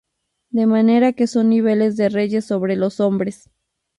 De manera que son niveles de reyes sobre los hombres.